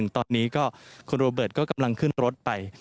ตอนนี้ก็คุณโรเบิร์ตก็กำลังขึ้นรถไป